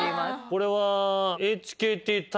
これは。